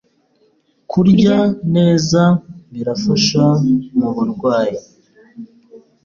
kurya neza birafasha muburwayi